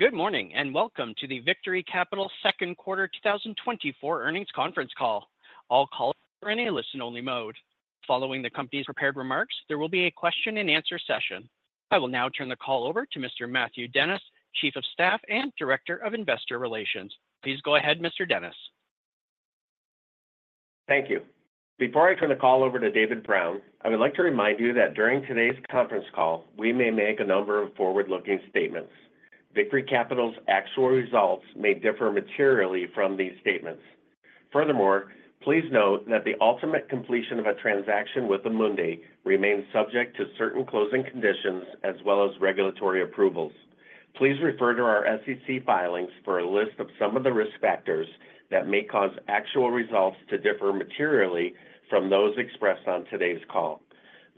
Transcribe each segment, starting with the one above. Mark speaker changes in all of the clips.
Speaker 1: Good morning, and welcome to the Victory Capital Second Quarter 2024 Earnings Conference Call. All calls are in a listen-only mode. Following the company's prepared remarks, there will be a question-and-answer session. I will now turn the call over to Mr. Matthew Dennis, Chief of Staff and Director of Investor Relations. Please go ahead, Mr. Dennis.
Speaker 2: Thank you. Before I turn the call over to David Brown, I would like to remind you that during today's conference call, we may make a number of forward-looking statements. Victory Capital's actual results may differ materially from these statements. Furthermore, please note that the ultimate completion of a transaction with Amundi remains subject to certain closing conditions as well as regulatory approvals. Please refer to our SEC filings for a list of some of the risk factors that may cause actual results to differ materially from those expressed on today's call.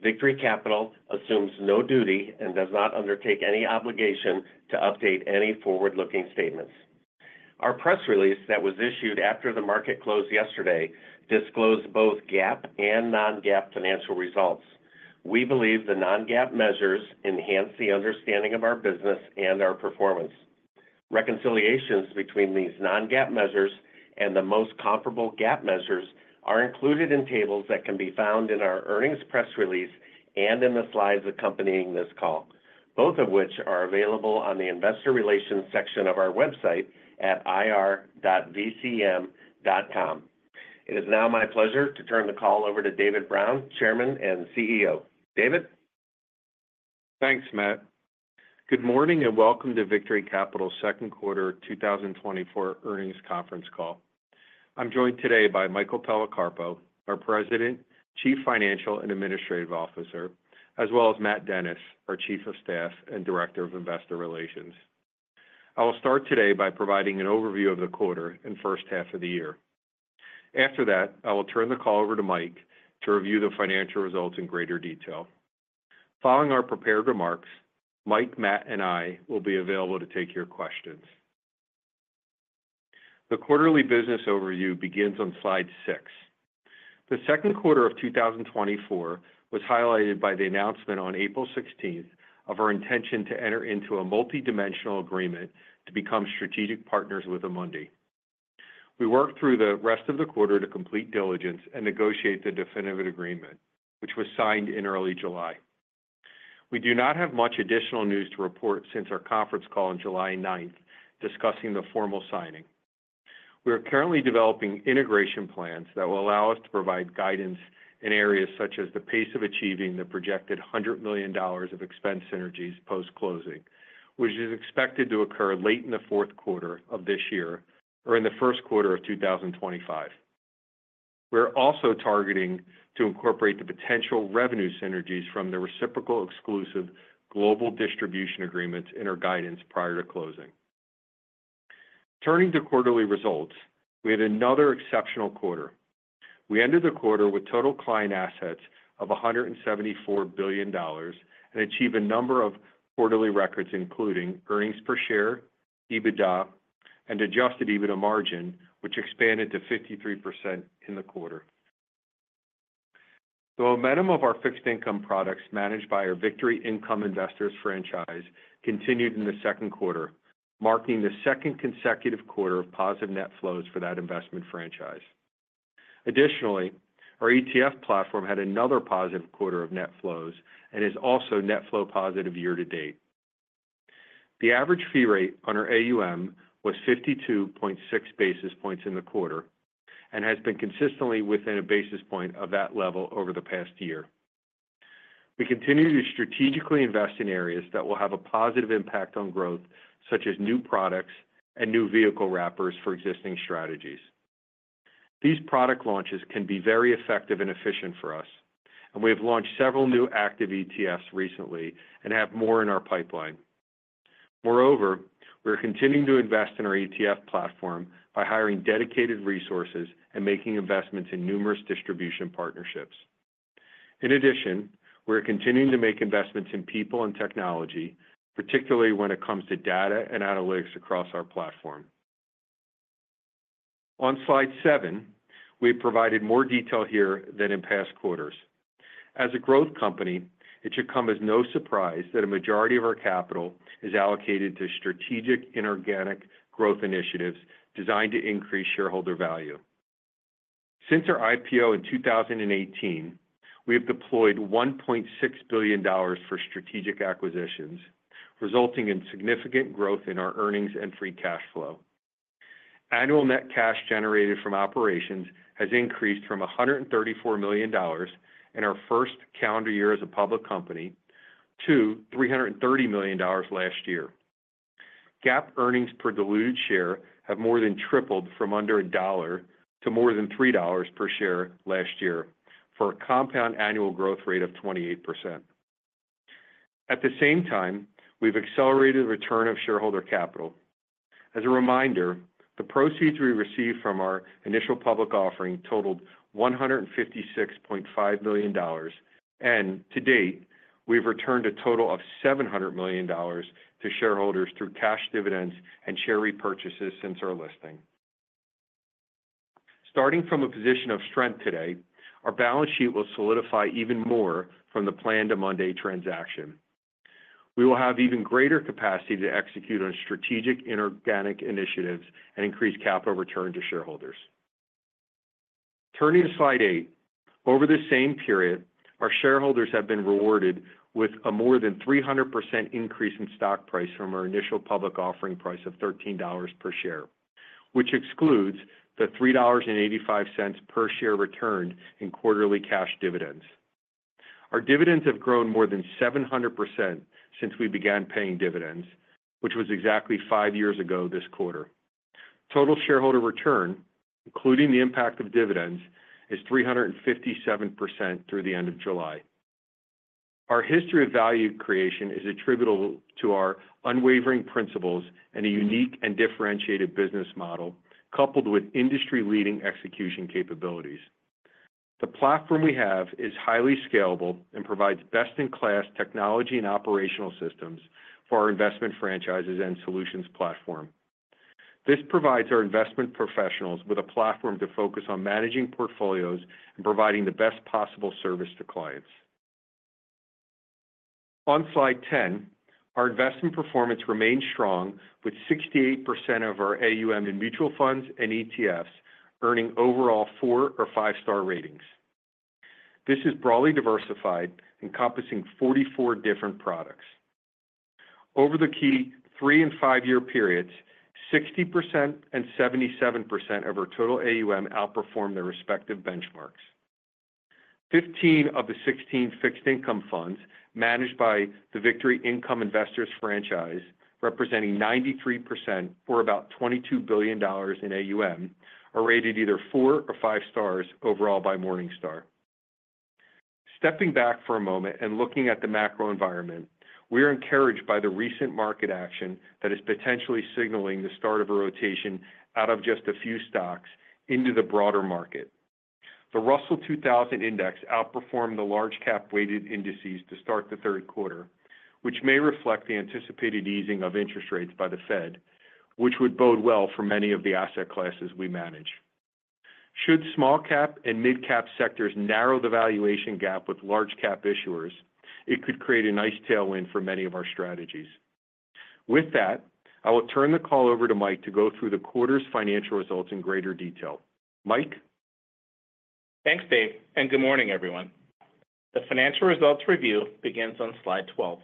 Speaker 2: Victory Capital assumes no duty and does not undertake any obligation to update any forward-looking statements. Our press release that was issued after the market closed yesterday disclosed both GAAP and non-GAAP financial results. We believe the non-GAAP measures enhance the understanding of our business and our performance. Reconciliations between these non-GAAP measures and the most comparable GAAP measures are included in tables that can be found in our earnings press release and in the slides accompanying this call, both of which are available on the Investor Relations section of our website at ir.vcm.com. It is now my pleasure to turn the call over to David Brown, Chairman and CEO. David?
Speaker 3: Thanks, Matt. Good morning, and welcome to Victory Capital's Second Quarter 2024 Earnings Conference Call. I'm joined today by Michael Policarpo, our President, Chief Financial and Administrative Officer, as well as Matt Dennis, our Chief of Staff and Director of Investor Relations. I will start today by providing an overview of the quarter and first half of the year. After that, I will turn the call over to Mike to review the financial results in greater detail. Following our prepared remarks, Mike, Matt, and I will be available to take your questions. The quarterly business overview begins on Slide Six. The second quarter of 2024 was highlighted by the announcement on April 16 of our intention to enter into a multidimensional agreement to become strategic partners with Amundi. We worked through the rest of the quarter to complete diligence and negotiate the definitive agreement, which was signed in early July. We do not have much additional news to report since our conference call on July 9, discussing the formal signing. We are currently developing integration plans that will allow us to provide guidance in areas such as the pace of achieving the projected $100 million of expense synergies post-closing, which is expected to occur late in the fourth quarter of this year or in the first quarter of 2025. We're also targeting to incorporate the potential revenue synergies from the reciprocal exclusive global distribution agreements in our guidance prior to closing. Turning to quarterly results, we had another exceptional quarter. We ended the quarter with total client assets of $174 billion and achieved a number of quarterly records, including earnings per share, EBITDA, and adjusted EBITDA margin, which expanded to 53% in the quarter. The momentum of our fixed income products managed by our Victory Income Investors franchise continued in the second quarter, marking the second consecutive quarter of positive net flows for that investment franchise. Additionally, our ETF platform had another positive quarter of net flows and is also net flow positive year to date. The average fee rate on our AUM was 52.6 basis points in the quarter and has been consistently within a basis point of that level over the past year. We continue to strategically invest in areas that will have a positive impact on growth, such as new products and new vehicle wrappers for existing strategies. These product launches can be very effective and efficient for us, and we have launched several new active ETFs recently and have more in our pipeline. Moreover, we are continuing to invest in our ETF platform by hiring dedicated resources and making investments in numerous distribution partnerships. In addition, we are continuing to make investments in people and technology, particularly when it comes to data and analytics across our platform. On Slide Seven, we have provided more detail here than in past quarters. As a growth company, it should come as no surprise that a majority of our capital is allocated to strategic inorganic growth initiatives designed to increase shareholder value. Since our IPO in 2018, we have deployed $1.6 billion for strategic acquisitions, resulting in significant growth in our earnings and free cash flow. Annual net cash generated from operations has increased from $134 million in our first calendar year as a public company to $330 million last year. GAAP earnings per diluted share have more than tripled from under $1 to more than $3 per share last year, for a compound annual growth rate of 28%. At the same time, we've accelerated the return of shareholder capital. As a reminder, the proceeds we received from our initial public offering totaled $156.5 million, and to date, we have returned a total of $700 million to shareholders through cash dividends and share repurchases since our listing. Starting from a position of strength today, our balance sheet will solidify even more from the planned Amundi transaction. We will have even greater capacity to execute on strategic inorganic initiatives and increase capital return to shareholders. Turning to Slide Eight. Over the same period, our shareholders have been rewarded with a more than 300% increase in stock price from our initial public offering price of $13 per share, which excludes the $3.85 per share returned in quarterly cash dividends. Our dividends have grown more than 700% since we began paying dividends, which was exactly five years ago this quarter. Total shareholder return, including the impact of dividends, is 357% through the end of July. Our history of value creation is attributable to our unwavering principles and a unique and differentiated business model, coupled with industry-leading execution capabilities. The platform we have is highly scalable and provides best-in-class technology and operational systems for our investment franchises and solutions platform. This provides our investment professionals with a platform to focus on managing portfolios and providing the best possible service to clients. On Slide 10, our investment performance remained strong, with 68% of our AUM in mutual funds and ETFs earning overall four or five-star ratings. This is broadly diversified, encompassing 44 different products. Over the key 3- and 5-year periods, 60% and 77% of our total AUM outperformed their respective benchmarks. Fifteen of the 16 fixed income funds, managed by the Victory Income Investors franchise, representing 93%, or about $22 billion in AUM, are rated either four or five stars overall by Morningstar. Stepping back for a moment and looking at the macro environment, we are encouraged by the recent market action that is potentially signaling the start of a rotation out of just a few stocks into the broader market. The Russell 2000 Index outperformed the large-cap weighted indices to start the third quarter, which may reflect the anticipated easing of interest rates by the Fed, which would bode well for many of the asset classes we manage. Should small-cap and mid-cap sectors narrow the valuation gap with large-cap issuers, it could create a nice tailwind for many of our strategies. With that, I will turn the call over to Mike to go through the quarter's financial results in greater detail. Mike?
Speaker 4: Thanks, Dave, and good morning, everyone. The financial results review begins on Slide 12.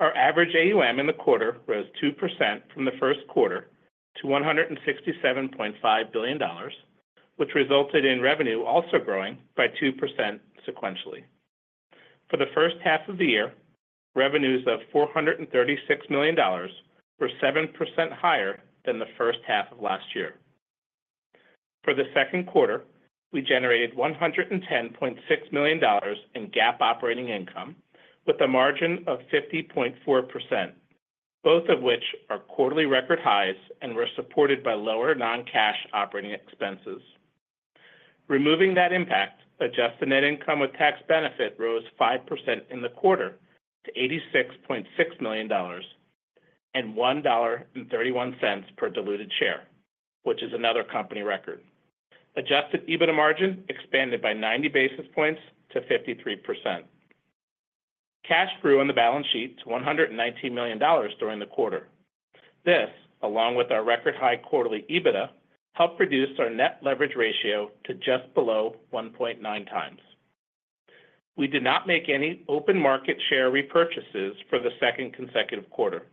Speaker 4: Our average AUM in the quarter rose 2% from the first quarter to $167.5 billion, which resulted in revenue also growing by 2% sequentially. For the first half of the year, revenues of $436 million were 7% higher than the first half of last year. For the second quarter, we generated $110.6 million in GAAP operating income, with a margin of 50.4%, both of which are quarterly record highs and were supported by lower non-cash operating expenses. Removing that impact, adjusted net income with tax benefit rose 5% in the quarter to $86.6 million and $1.31 per diluted share, which is another company record. Adjusted EBITDA margin expanded by 90 basis points to 53%. Cash grew on the balance sheet to $119 million during the quarter. This, along with our record high quarterly EBITDA, helped reduce our net leverage ratio to just below 1.9x. We did not make any open market share repurchases for the second consecutive quarter.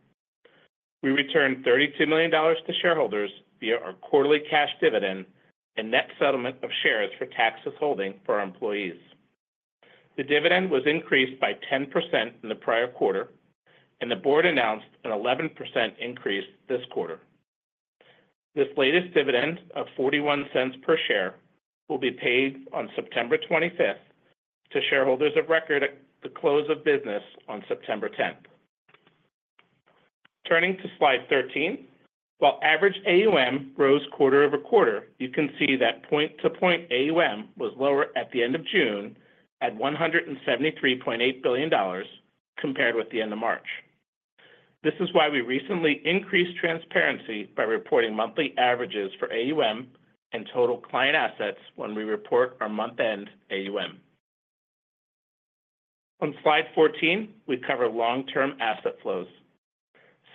Speaker 4: We returned $32 million to shareholders via our quarterly cash dividend and net settlement of shares for tax withholding for our employees. The dividend was increased by 10% in the prior quarter, and the Board announced an 11% increase this quarter. This latest dividend of $0.41 per share will be paid on September 25th to shareholders of record at the close of business on September 10th. Turning to Slide 13. While average AUM rose quarter-over-quarter, you can see that point-to-point AUM was lower at the end of June at $173.8 billion compared with the end of March. This is why we recently increased transparency by reporting monthly averages for AUM and total client assets when we report our month-end AUM. On Slide 14, we cover long-term asset flows.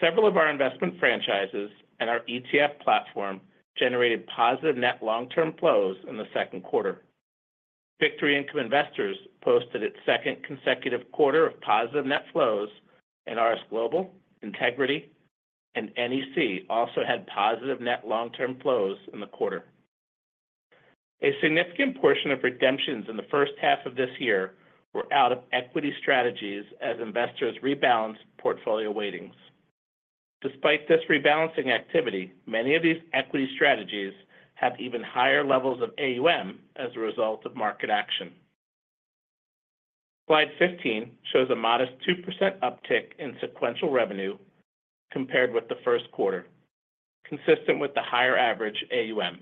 Speaker 4: Several of our investment franchises and our ETF platform generated positive net long-term flows in the second quarter. Victory Income Investors posted its second consecutive quarter of positive net flows, and RS Global, Integrity, and NEC also had positive net long-term flows in the quarter. A significant portion of redemptions in the first half of this year were out of equity strategies as investors rebalanced portfolio weightings. Despite this rebalancing activity, many of these equity strategies have even higher levels of AUM as a result of market action. Slide 15 shows a modest 2% uptick in sequential revenue compared with the first quarter, consistent with the higher average AUM.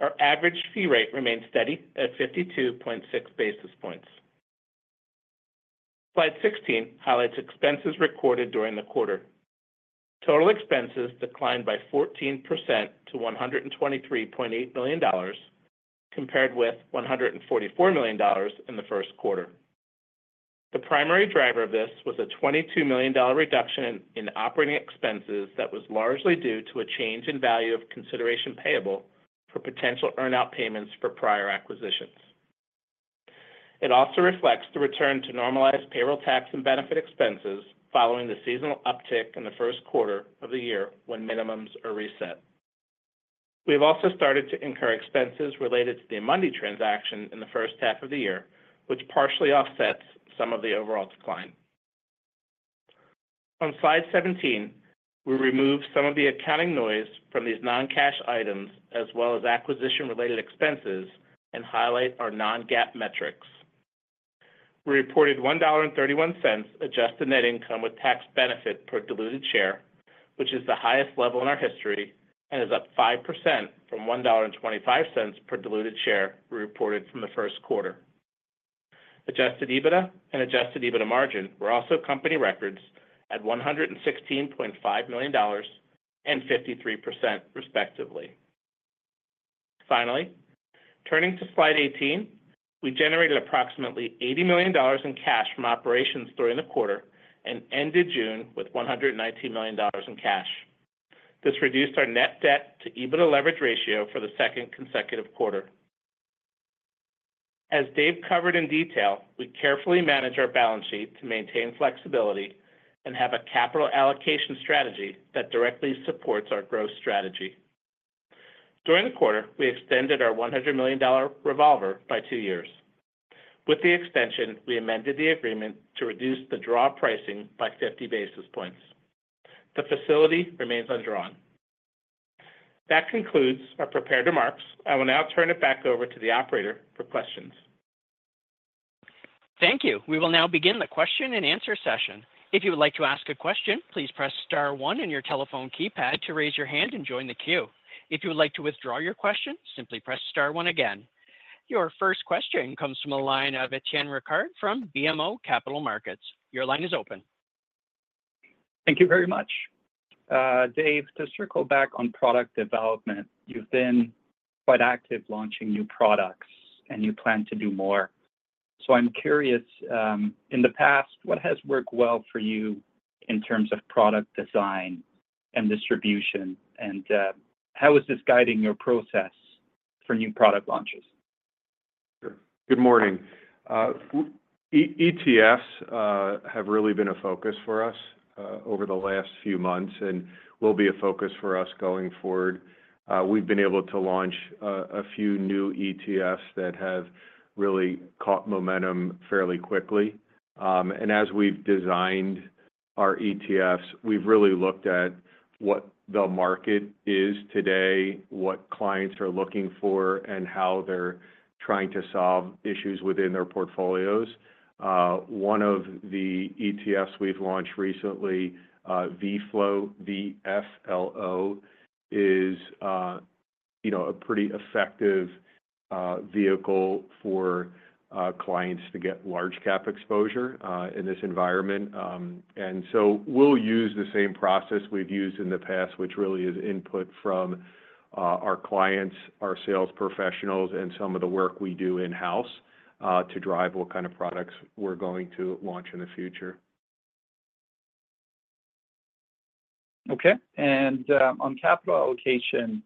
Speaker 4: Our average fee rate remains steady at 52.6 basis points. Slide 16 highlights expenses recorded during the quarter. Total expenses declined by 14% to $123.8 million, compared with $144 million in the first quarter. The primary driver of this was a $22 million reduction in operating expenses that was largely due to a change in value of consideration payable for potential earn-out payments for prior acquisitions. It also reflects the return to normalized payroll tax and benefit expenses following the seasonal uptick in the first quarter of the year when minimums are reset. We've also started to incur expenses related to the Amundi transaction in the first half of the year, which partially offsets some of the overall decline. On Slide 17, we remove some of the accounting noise from these non-cash items as well as acquisition-related expenses and highlight our non-GAAP metrics. We reported $1.31 adjusted net income with tax benefit per diluted share, which is the highest level in our history and is up 5% from $1.25 per diluted share we reported from the first quarter. Adjusted EBITDA and adjusted EBITDA margin were also company records at $116.5 million and 53%, respectively. Finally, turning to Slide 18, we generated approximately $80 million in cash from operations during the quarter and ended June with $119 million in cash. This reduced our net debt to EBITDA leverage ratio for the second consecutive quarter. As Dave covered in detail, we carefully manage our balance sheet to maintain flexibility and have a capital allocation strategy that directly supports our growth strategy. During the quarter, we extended our $100 million revolver by two years. With the extension, we amended the agreement to reduce the draw pricing by 50 basis points. The facility remains undrawn. That concludes our prepared remarks. I will now turn it back over to the operator for questions.
Speaker 1: Thank you. We will now begin the question-and-answer session. If you would like to ask a question, please press star one on your telephone keypad to raise your hand and join the queue. If you would like to withdraw your question, simply press star one again. Your first question comes from the line of Etienne Ricard from BMO Capital Markets. Your line is open.
Speaker 5: Thank you very much. Dave, to circle back on product development, you've been quite active launching new products, and you plan to do more. So I'm curious, in the past, what has worked well for you in terms of product design and distribution, and, how is this guiding your process for new product launches?
Speaker 3: Good morning. ETFs have really been a focus for us over the last few months and will be a focus for us going forward. We've been able to launch a few new ETFs that have really caught momentum fairly quickly. As we've designed our ETFs, we've really looked at what the market is today, what clients are looking for, and how they're trying to solve issues within their portfolios. One of the ETFs we've launched recently, VFLO, is, you know, a pretty effective vehicle for clients to get large cap exposure in this environment. And so we'll use the same process we've used in the past, which really is input from our clients, our sales professionals, and some of the work we do in-house to drive what kind of products we're going to launch in the future.
Speaker 5: Okay. And, on capital allocation,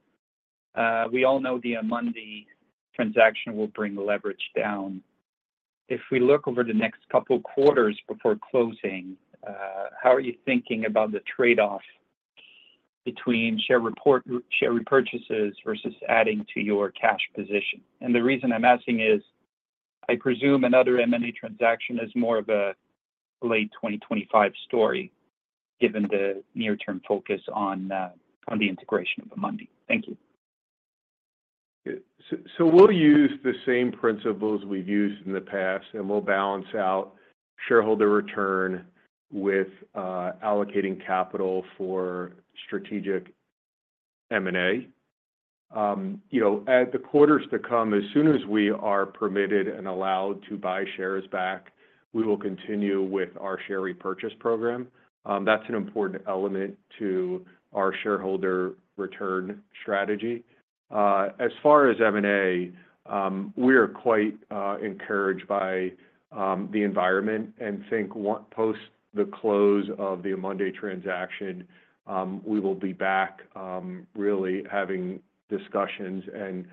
Speaker 5: we all know the Amundi transaction will bring leverage down. If we look over the next couple quarters before closing, how are you thinking about the trade-off between share repurchases versus adding to your cash position? And the reason I'm asking is, I presume another M&A transaction is more of a late 2025 story, given the near-term focus on the integration of Amundi. Thank you.
Speaker 3: So we'll use the same principles we've used in the past, and we'll balance out shareholder return with allocating capital for strategic M&A. You know, at the quarters to come, as soon as we are permitted and allowed to buy shares back, we will continue with our share repurchase program. That's an important element to our shareholder return strategy. As far as M&A, we are quite encouraged by the environment and think, once post the close of the Amundi transaction, we will be back really having discussions and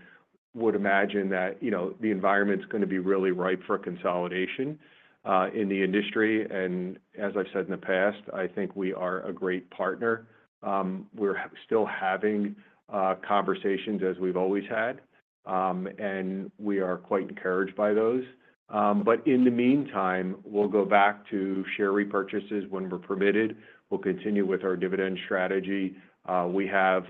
Speaker 3: would imagine that, you know, the environment's gonna be really ripe for consolidation in the industry. And as I've said in the past, I think we are a great partner. We're still having conversations as we've always had, and we are quite encouraged by those. But in the meantime, we'll go back to share repurchases when we're permitted. We'll continue with our dividend strategy. We have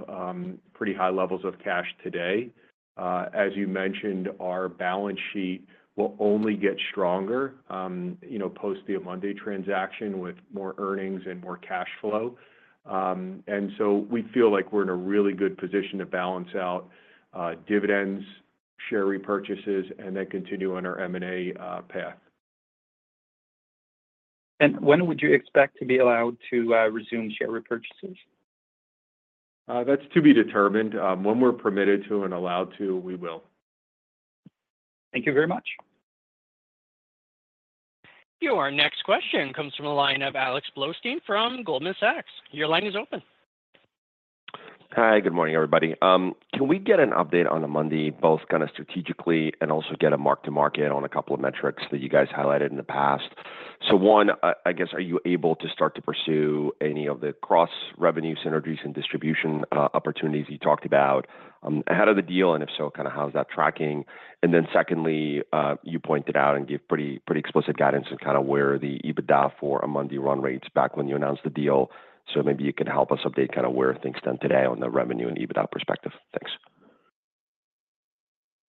Speaker 3: pretty high levels of cash today. As you mentioned, our balance sheet will only get stronger, you know, post the Amundi transaction with more earnings and more cash flow. And so we feel like we're in a really good position to balance out dividends, share repurchases, and then continue on our M&A path.
Speaker 5: When would you expect to be allowed to resume share repurchases?
Speaker 3: That's to be determined. When we're permitted to and allowed to, we will.
Speaker 5: Thank you very much.
Speaker 1: Your next question comes from the line of Alex Blostein from Goldman Sachs. Your line is open.
Speaker 6: Hi, good morning, everybody. Can we get an update on Amundi, both kind of strategically and also get a mark-to-market on a couple of metrics that you guys highlighted in the past? So one, I guess, are you able to start to pursue any of the cross-revenue synergies and distribution opportunities you talked about ahead of the deal? And if so, kind of how's that tracking? And then secondly, you pointed out and gave pretty, pretty explicit guidance on kind of where the EBITDA for Amundi run rates back when you announced the deal. So maybe you could help us update kind of where things stand today on the revenue and EBITDA perspective. Thanks.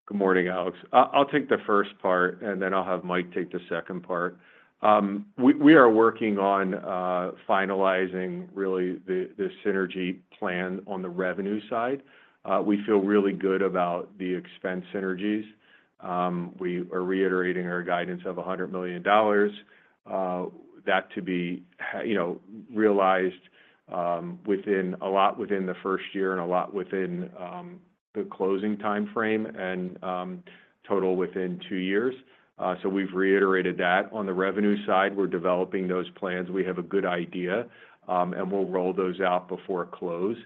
Speaker 3: Good morning, Alex. I'll take the first part, and then I'll have Mike take the second part. We are working on finalizing really the synergy plan on the revenue side. We feel really good about the expense synergies. We are reiterating our guidance of $100 million, that to be, you know, realized, a lot within the first year and a lot within the closing timeframe and total within two years. So we've reiterated that. On the revenue side, we're developing those plans. We have a good idea, and we'll roll those out before close.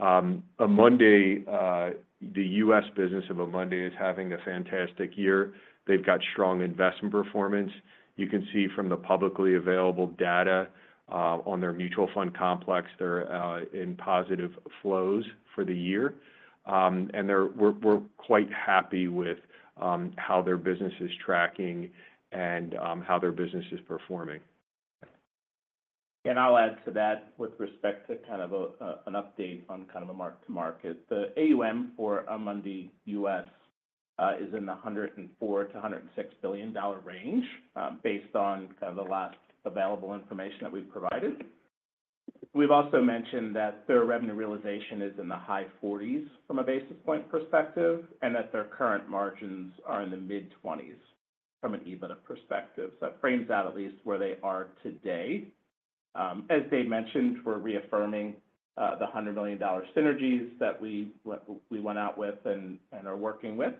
Speaker 3: Amundi, the U.S. business of Amundi is having a fantastic year. They've got strong investment performance. You can see from the publicly available data on their mutual fund complex, they're in positive flows for the year. And we're quite happy with how their business is tracking and how their business is performing.
Speaker 4: And I'll add to that with respect to kind of a, an update on kind of a mark to market. The AUM for Amundi US is in the $104 billion-$106 billion range, based on kind of the last available information that we've provided. We've also mentioned that their revenue realization is in the high 40s from a basis point perspective, and that their current margins are in the mid-20s from an EBITDA perspective. So that frames out at least where they are today. As Dave mentioned, we're reaffirming the $100 million synergies that we, we went out with and are working with.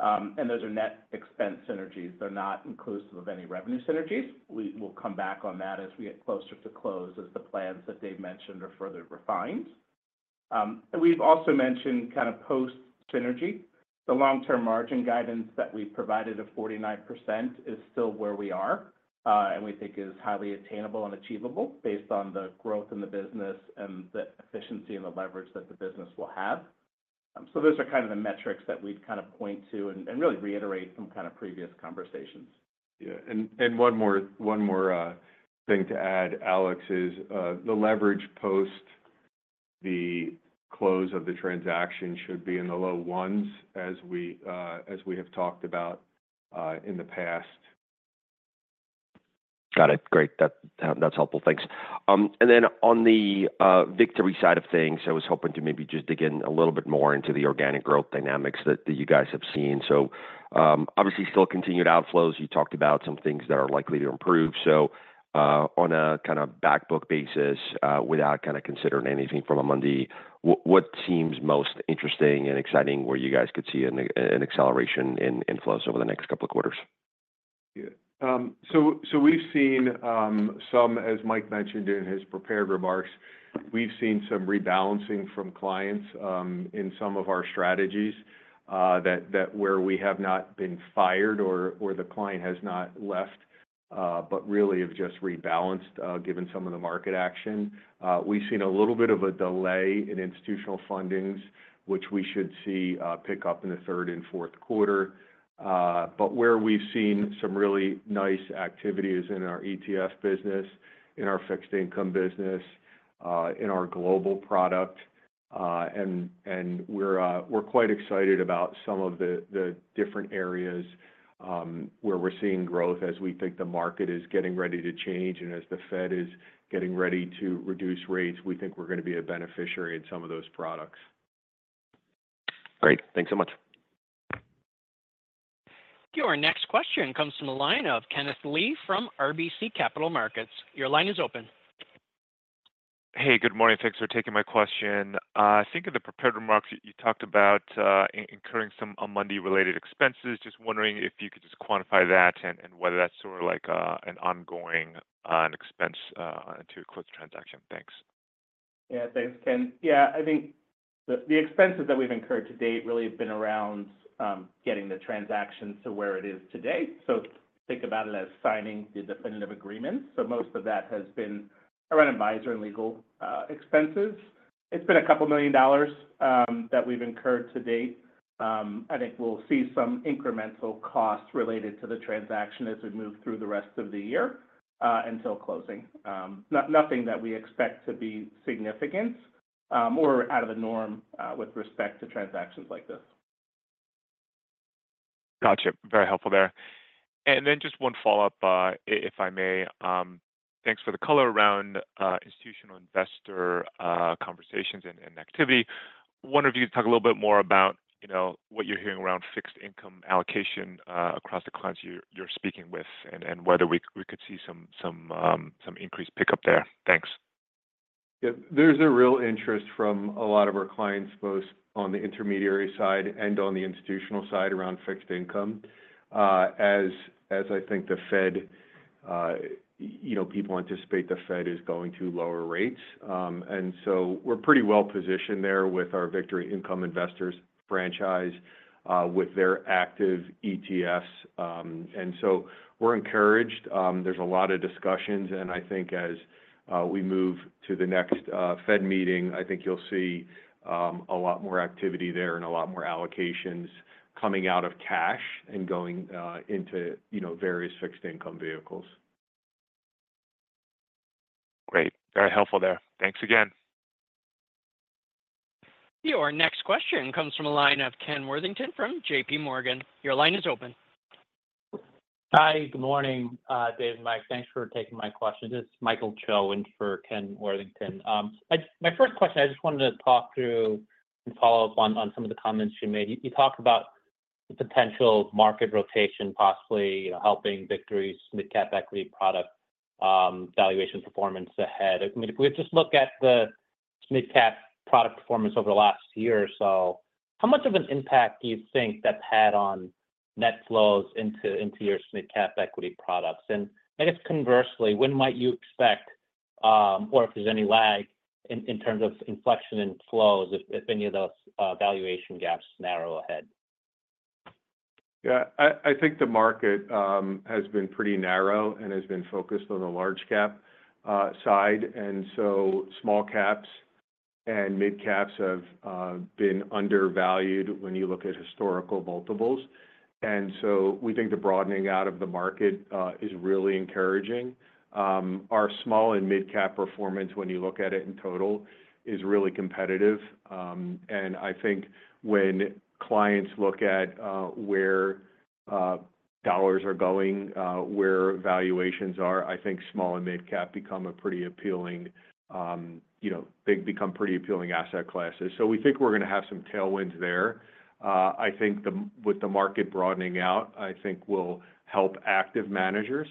Speaker 4: And those are net expense synergies. They're not inclusive of any revenue synergies. We'll come back on that as we get closer to close, as the plans that Dave mentioned are further refined. And we've also mentioned kind of post synergy. The long-term margin guidance that we provided of 49% is still where we are, and we think is highly attainable and achievable based on the growth in the business and the efficiency and the leverage that the business will have. So those are kind of the metrics that we'd kind of point to and, and really reiterate from kind of previous conversations.
Speaker 3: Yeah, and one more thing to add, Alex, is the leverage post the close of the transaction should be in the low ones, as we have talked about in the past.
Speaker 6: Got it. Great. That's helpful. Thanks. And then on the Victory side of things, I was hoping to maybe just dig in a little bit more into the organic growth dynamics that you guys have seen. So, obviously, still continued outflows. You talked about some things that are likely to improve. So, on a kind of back book basis, without kind of considering anything from Amundi, what seems most interesting and exciting where you guys could see an acceleration in inflows over the next couple of quarters?
Speaker 3: Yeah. So, so we've seen some, as Mike mentioned in his prepared remarks, we've seen some rebalancing from clients in some of our strategies, that, that where we have not been fired or, or the client has not left, but really have just rebalanced, given some of the market action. We've seen a little bit of a delay in institutional fundings, which we should see pick up in the third and fourth quarter. But where we've seen some really nice activity is in our ETF business, in our fixed income business, in our global product, and we're quite excited about some of the different areas where we're seeing growth as we think the market is getting ready to change and as the Fed is getting ready to reduce rates, we think we're going to be a beneficiary in some of those products.
Speaker 6: Great. Thanks so much.
Speaker 1: Your next question comes from the line of Kenneth Lee from RBC Capital Markets. Your line is open.
Speaker 7: Hey, good morning. Thanks for taking my question. I think in the prepared remarks, you talked about incurring some Amundi-related expenses. Just wondering if you could just quantify that and whether that's sort of like an ongoing expense to close the transaction. Thanks.
Speaker 4: Yeah. Thanks, Ken. Yeah, I think the expenses that we've incurred to date really have been around getting the transaction to where it is today. So think about it as signing the definitive agreement. So most of that has been around advisor and legal expenses. It's been $2 million that we've incurred to date. I think we'll see some incremental costs related to the transaction as we move through the rest of the year until closing. Nothing that we expect to be significant or out of the norm with respect to transactions like this.
Speaker 7: Gotcha. Very helpful there. And then just one follow-up, if I may. Thanks for the color around institutional investor conversations and activity. Wanted you to talk a little bit more about, you know, what you're hearing around fixed income allocation across the clients you're speaking with, and whether we could see some increased pickup there. Thanks.
Speaker 3: Yeah. There's a real interest from a lot of our clients, both on the intermediary side and on the institutional side, around fixed income. As I think the Fed, you know, people anticipate the Fed is going to lower rates. And so we're pretty well positioned there with our Victory Income Investors franchise, with their active ETFs. And so we're encouraged. There's a lot of discussions, and I think as we move to the next Fed meeting, I think you'll see a lot more activity there and a lot more allocations coming out of cash and going into, you know, various fixed income vehicles.
Speaker 7: Great. Very helpful there. Thanks again.
Speaker 1: Your next question comes from a line of Ken Worthington from J.P. Morgan. Your line is open.
Speaker 8: Hi, good morning, Dave and Mike. Thanks for taking my questions. It's Michael Cho in for Ken Worthington. My first question, I just wanted to talk through and follow up on some of the comments you made. You talked about the potential market rotation, possibly, you know, helping Victory's mid-cap equity product valuation performance ahead. I mean, if we just look at the mid-cap product performance over the last year or so, how much of an impact do you think that's had on net flows into your mid-cap equity products? And I guess conversely, when might you expect, or if there's any lag in terms of inflection in flows, if any of those valuation gaps narrow ahead?
Speaker 3: Yeah. I, I think the market has been pretty narrow and has been focused on the large cap side, and so small caps and mid caps have been undervalued when you look at historical multiples. And so we think the broadening out of the market is really encouraging. Our small and mid-cap performance, when you look at it in total, is really competitive. And I think when clients look at where dollars are going, where valuations are, I think small and mid-cap become a pretty appealing, you know, they become pretty appealing asset classes. So we think we're gonna have some tailwinds there. I think with the market broadening out, I think will help active managers,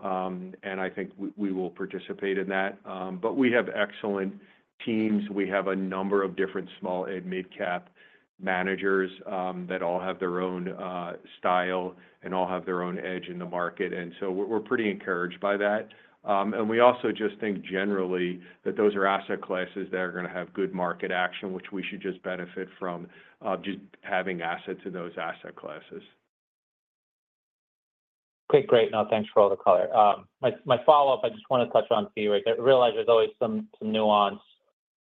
Speaker 3: and I think we will participate in that. But we have excellent teams. We have a number of different small and mid-cap managers, that all have their own, style and all have their own edge in the market, and so we're pretty encouraged by that. And we also just think, generally, that those are asset classes that are gonna have good market action, which we should just benefit from, just having assets in those asset classes.
Speaker 8: Okay, great. Now, thanks for all the color. My follow-up, I just wanna touch on fee rate. I realize there's always some nuance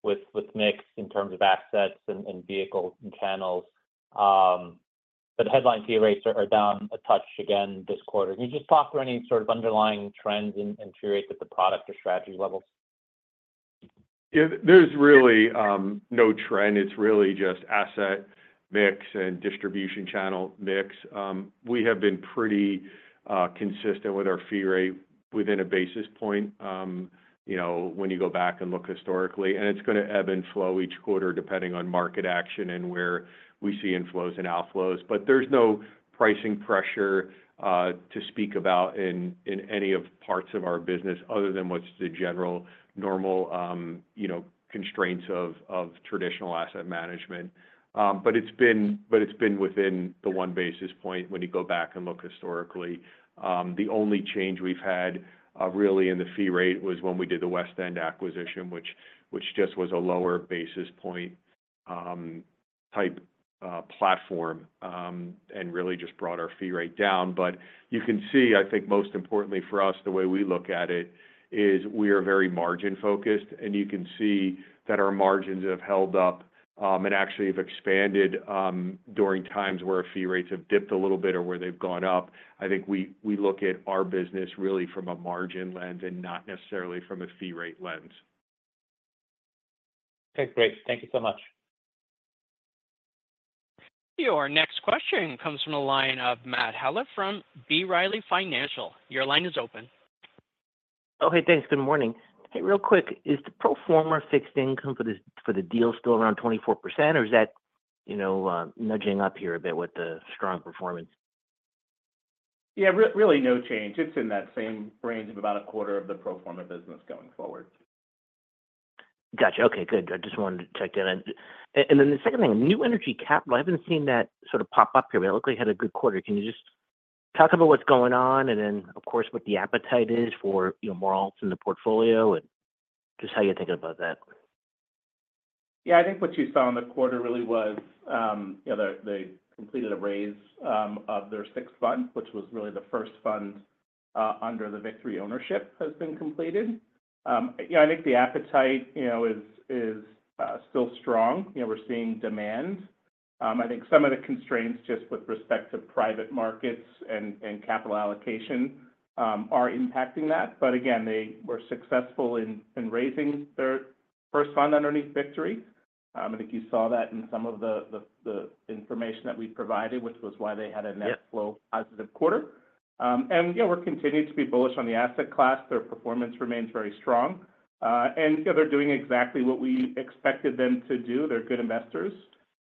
Speaker 8: with mix in terms of assets and vehicles and channels. But headline fee rates are down a touch again this quarter. Can you just talk through any sort of underlying trends in fee rate at the product or strategy levels?
Speaker 3: Yeah. There's really no trend. It's really just asset mix and distribution channel mix. We have been pretty consistent with our fee rate within a basis point, you know, when you go back and look historically, and it's gonna ebb and flow each quarter depending on market action and where we see inflows and outflows. But there's no pricing pressure to speak about in any of parts of our business other than what's the general normal constraints of traditional asset management. But it's been within the one basis point when you go back and look historically. The only change we've had, really in the fee rate was when we did the WestEnd acquisition, which just was a lower basis point type platform, and really just brought our fee rate down. But you can see, I think most importantly for us, the way we look at it, is we are very margin-focused, and you can see that our margins have held up, and actually have expanded, during times where our fee rates have dipped a little bit or where they've gone up. I think we look at our business really from a margin lens and not necessarily from a fee rate lens.
Speaker 8: Okay, great. Thank you so much.
Speaker 1: Your next question comes from the line of Matt Howlett from B. Riley Financial. Your line is open.
Speaker 9: Oh, hey, thanks. Good morning. Hey, real quick, is the pro forma fixed income for the, for the deal still around 24%, or is that, you know, nudging up here a bit with the strong performance?
Speaker 3: Yeah, really no change. It's in that same range of about a quarter of the pro forma business going forward.
Speaker 9: Gotcha. Okay, good. I just wanted to check that in. And then the second thing, New Energy Capital, I haven't seen that sort of pop up here, but it looked like it had a good quarter. Can you just talk about what's going on, and then, of course, what the appetite is for, you know, more alts in the portfolio, and just how you're thinking about that?
Speaker 3: Yeah, I think what you saw in the quarter really was, you know, they completed a raise of their sixth fund, which was really the first fund under the Victory ownership, has been completed. You know, I think the appetite, you know, is still strong. You know, we're seeing demand. I think some of the constraints, just with respect to private markets and capital allocation, are impacting that. But again, they were successful in raising their first fund underneath Victory. I think you saw that in some of the information that we provided, which was why they had a net-
Speaker 9: Yeah
Speaker 3: Flow positive quarter. And yeah, we're continuing to be bullish on the asset class. Their performance remains very strong. And yeah, they're doing exactly what we expected them to do. They're good investors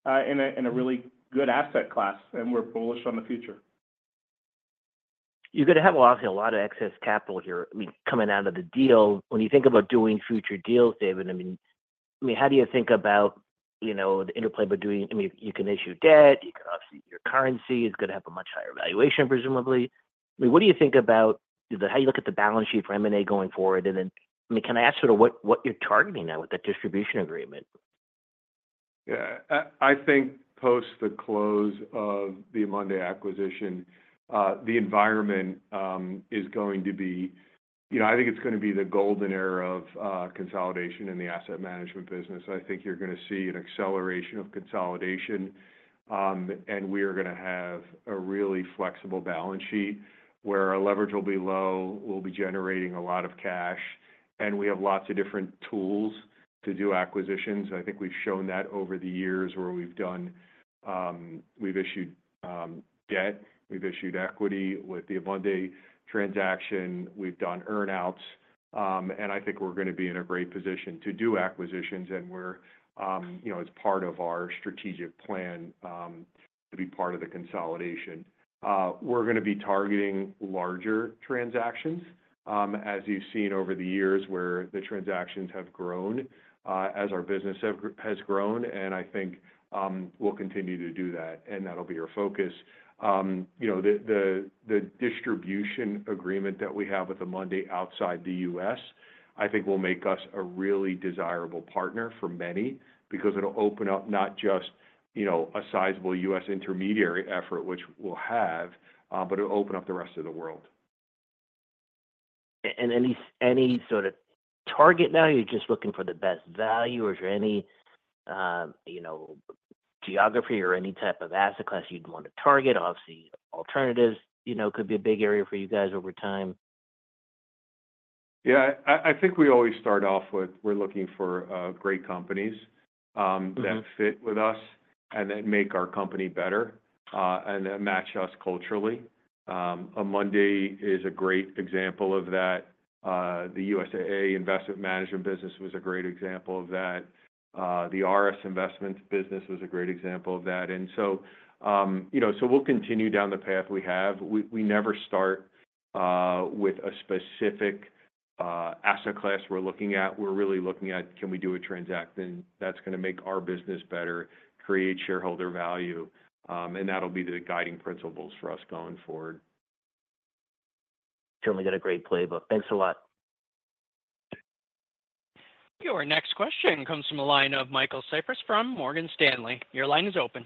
Speaker 3: in a really good asset class, and we're bullish on the future.
Speaker 9: You're gonna have, obviously, a lot of excess capital here, I mean, coming out of the deal. When you think about doing future deals, David, I mean, I mean, how do you think about, you know, the interplay between, I mean, you can issue debt, you can obviously your currency is gonna have a much higher valuation, presumably. I mean, what do you think about how you look at the balance sheet for M&A going forward? And then, I mean, can I ask sort of what, what you're targeting now with that distribution agreement?
Speaker 3: Yeah. I think post the close of the Amundi acquisition, the environment is going to be... You know, I think it's gonna be the golden era of consolidation in the asset management business. I think you're gonna see an acceleration of consolidation, and we are gonna have a really flexible balance sheet, where our leverage will be low, we'll be generating a lot of cash, and we have lots of different tools to do acquisitions. I think we've shown that over the years, where we've done, we've issued debt, we've issued equity. With the Amundi transaction, we've done earn-outs, and I think we're gonna be in a great position to do acquisitions, and we're, you know, as part of our strategic plan, to be part of the consolidation. We're gonna be targeting larger transactions, as you've seen over the years, where the transactions have grown, as our business has grown, and I think we'll continue to do that, and that'll be our focus. You know, the distribution agreement that we have with Amundi outside the U.S., I think will make us a really desirable partner for many, because it'll open up not just, you know, a sizable U.S. intermediary effort, which we'll have, but it'll open up the rest of the world.
Speaker 9: And any sort of target now, you're just looking for the best value, or is there any, you know, geography or any type of asset class you'd want to target? Obviously, alternatives, you know, could be a big area for you guys over time.
Speaker 3: Yeah, I think we always start off with, we're looking for great companies-
Speaker 9: Mm-hmm
Speaker 3: That fit with us and that make our company better, and that match us culturally. Amundi is a great example of that. The USAA Investment Management business was a great example of that. The RS Investments business was a great example of that. And so, you know, so we'll continue down the path we have. We never start with a specific asset class we're looking at. We're really looking at, can we do a transaction that's gonna make our business better, create shareholder value? And that'll be the guiding principles for us going forward.
Speaker 9: Certainly got a great playbook. Thanks a lot.
Speaker 1: Your next question comes from the line of Michael Cyprys from Morgan Stanley. Your line is open.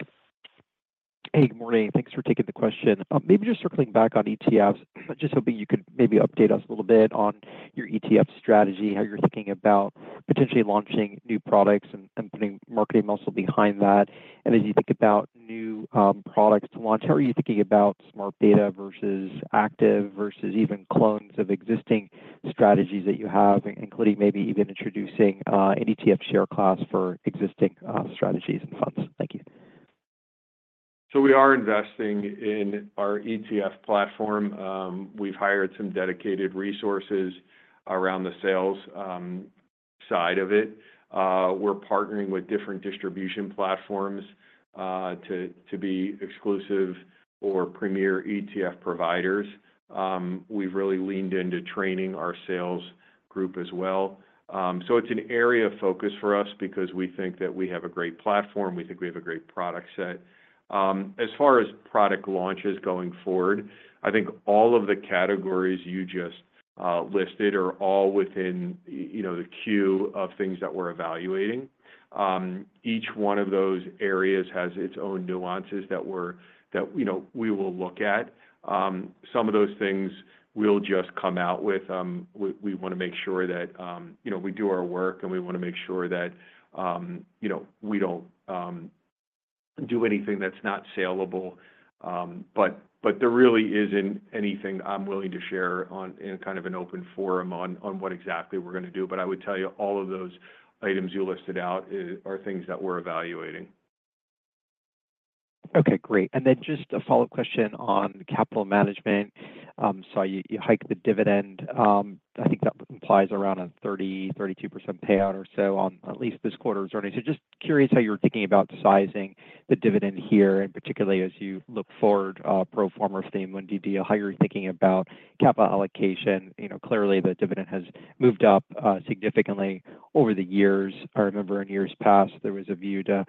Speaker 10: Hey, good morning. Thanks for taking the question. Maybe just circling back on ETFs, just hoping you could maybe update us a little bit on your ETF strategy, how you're thinking about potentially launching new products and, and putting marketing muscle behind that. And as you think about new products to launch, how are you thinking about smart beta versus active, versus even clones of existing strategies that you have, including maybe even introducing an ETF share class for existing strategies and funds? Thank you.
Speaker 3: So we are investing in our ETF platform. We've hired some dedicated resources around the sales side of it. We're partnering with different distribution platforms to be exclusive or premier ETF providers. We've really leaned into training our sales group as well. So it's an area of focus for us because we think that we have a great platform, we think we have a great product set. As far as product launches going forward, I think all of the categories you just listed are all within, you know, the queue of things that we're evaluating. Each one of those areas has its own nuances that, you know, we will look at. Some of those things we'll just come out with. We want to make sure that, you know, we do our work, and we want to make sure that, you know, we don't do anything that's not saleable. But there really isn't anything I'm willing to share on, in kind of an open forum on what exactly we're going to do. But I would tell you, all of those items you listed out are things that we're evaluating.
Speaker 10: Okay, great. And then just a follow-up question on capital management. So you hiked the dividend. I think that implies around a 30%-32% payout or so on at least this quarter's earnings. So just curious how you're thinking about sizing the dividend here, and particularly as you look forward, pro forma of the Amundi deal, how you're thinking about capital allocation. You know, clearly, the dividend has moved up significantly over the years. I remember in years past, there was a view to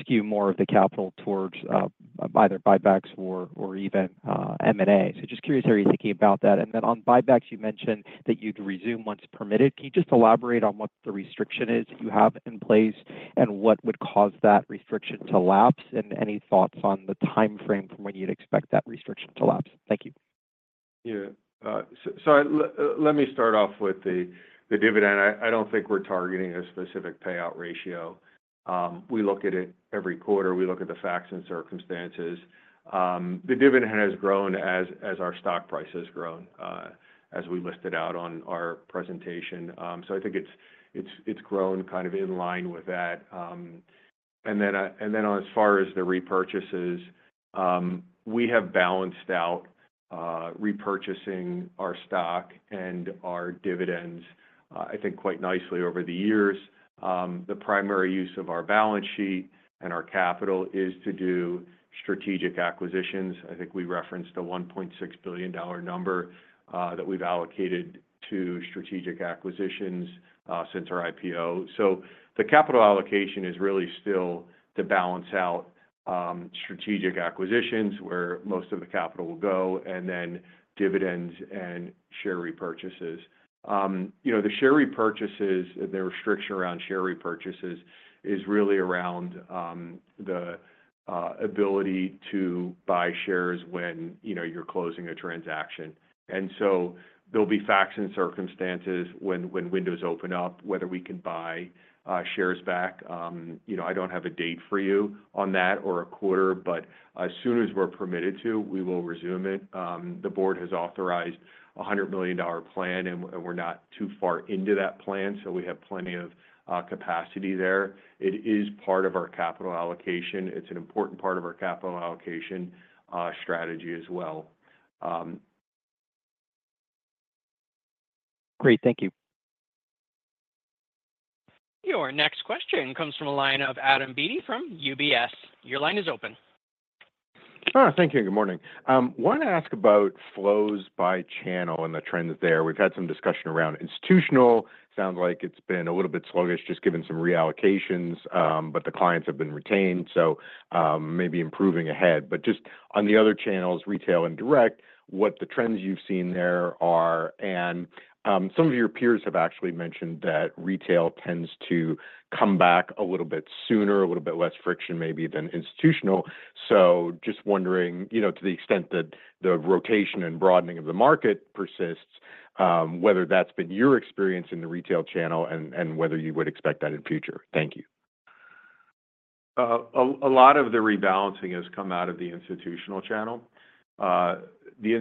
Speaker 10: skew more of the capital towards either buybacks or even M&A. So just curious how you're thinking about that. And then on buybacks, you mentioned that you'd resume once permitted. Can you just elaborate on what the restriction is you have in place, and what would cause that restriction to lapse? Any thoughts on the time frame from when you'd expect that restriction to lapse? Thank you.
Speaker 3: Yeah. So let me start off with the dividend. I don't think we're targeting a specific payout ratio. We look at it every quarter. We look at the facts and circumstances. The dividend has grown as our stock price has grown, as we listed out on our presentation. So I think it's grown kind of in line with that. And then as far as the repurchases, we have balanced out repurchasing our stock and our dividends, I think quite nicely over the years. The primary use of our balance sheet and our capital is to do strategic acquisitions. I think we referenced a $1.6 billion number that we've allocated to strategic acquisitions since our IPO. So the capital allocation is really still to balance out, strategic acquisitions, where most of the capital will go, and then dividends and share repurchases. You know, the share repurchases, the restriction around share repurchases is really around, the ability to buy shares when, you know, you're closing a transaction. And so there'll be facts and circumstances when windows open up, whether we can buy shares back. You know, I don't have a date for you on that or a quarter, but as soon as we're permitted to, we will resume it. The Board has authorized a $100 million plan, and we're not too far into that plan, so we have plenty of capacity there. It is part of our capital allocation. It's an important part of our capital allocation strategy as well.
Speaker 10: Great. Thank you.
Speaker 1: Your next question comes from the line of Adam Beatty from UBS. Your line is open.
Speaker 11: Thank you, and good morning. Wanted to ask about flows by channel and the trends there. We've had some discussion around institutional. Sounds like it's been a little bit sluggish, just given some reallocations, but the clients have been retained, so, maybe improving ahead. But just on the other channels, retail and direct, what the trends you've seen there are. Some of your peers have actually mentioned that retail tends to come back a little bit sooner, a little bit less friction maybe than institutional. So just wondering, you know, to the extent that the rotation and broadening of the market persists, whether that's been your experience in the retail channel and whether you would expect that in future? Thank you.
Speaker 3: A lot of the rebalancing has come out of the institutional channel. The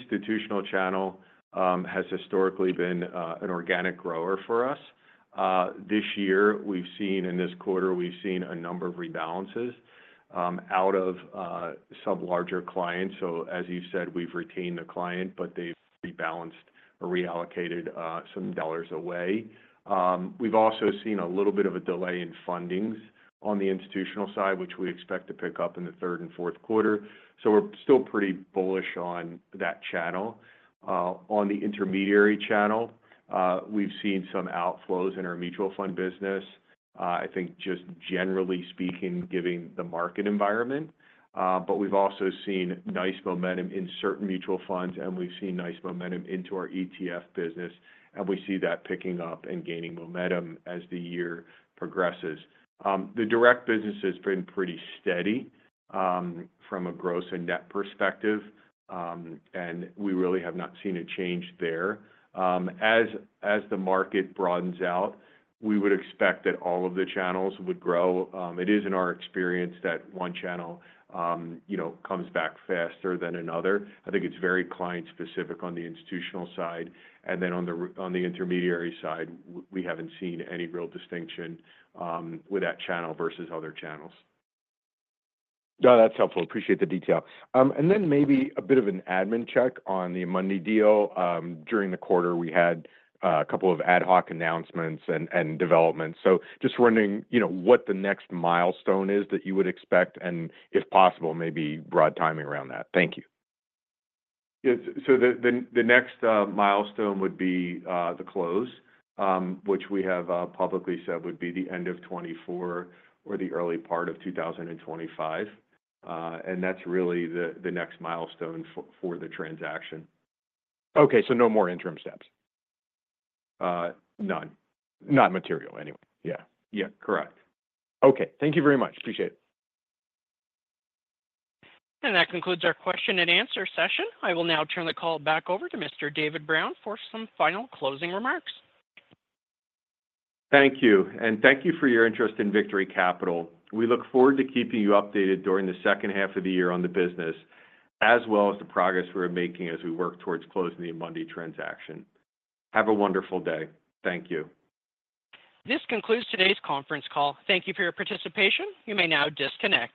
Speaker 3: institutional channel has historically been an organic grower for us. This year, we've seen in this quarter we've seen a number of rebalances out of some larger clients. So as you said, we've retained the client, but they've rebalanced or reallocated some dollars away. We've also seen a little bit of a delay in fundings on the institutional side, which we expect to pick up in the third and fourth quarter, so we're still pretty bullish on that channel. On the intermediary channel, we've seen some outflows in our mutual fund business, I think just generally speaking, given the market environment. But we've also seen nice momentum in certain mutual funds, and we've seen nice momentum into our ETF business, and we see that picking up and gaining momentum as the year progresses. The direct business has been pretty steady from a gross and net perspective, and we really have not seen a change there. As the market broadens out, we would expect that all of the channels would grow. It is in our experience that one channel, you know, comes back faster than another. I think it's very client-specific on the institutional side, and then on the intermediary side, we haven't seen any real distinction with that channel versus other channels.
Speaker 11: Yeah, that's helpful. Appreciate the detail. And then maybe a bit of an admin check on the Amundi deal. During the quarter, we had a couple of ad hoc announcements and developments. So just wondering, you know, what the next milestone is that you would expect, and if possible, maybe broad timing around that. Thank you.
Speaker 3: Yes. So the next milestone would be the close, which we have publicly said would be the end of 2024 or the early part of 2025. And that's really the next milestone for the transaction.
Speaker 11: Okay, so no more interim steps?
Speaker 3: Uh, none.
Speaker 11: Not material, anyway. Yeah.
Speaker 3: Yeah. Correct.
Speaker 11: Okay. Thank you very much. Appreciate it.
Speaker 1: That concludes our question and answer session. I will now turn the call back over to Mr. David Brown for some final closing remarks.
Speaker 3: Thank you, and thank you for your interest in Victory Capital. We look forward to keeping you updated during the second half of the year on the business, as well as the progress we're making as we work towards closing the Amundi transaction. Have a wonderful day. Thank you.
Speaker 1: This concludes today's conference call. Thank you for your participation. You may now disconnect.